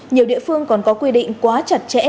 nhiều địa phương còn có quy định quá chặt chẽ